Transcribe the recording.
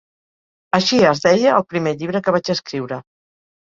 Així es deia el primer llibre que vaig escriure.